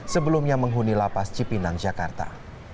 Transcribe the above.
sebelumnya menghuni lapas cipinang jakarta